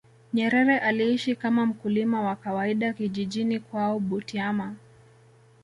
nyerere aliishi kama mkulima wa kawaida kijijini kwao butiama